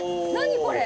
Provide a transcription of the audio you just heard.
これ！